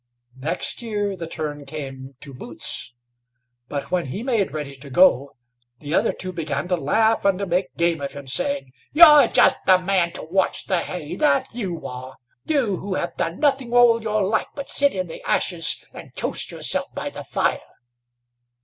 Next year the turn came to Boots; but when he made ready to go, the other two began to laugh and to make game of him, saying: "You're just the man to watch the hay, that you are; you, who have done nothing all your life but sit in the ashes and toast yourself by the fire."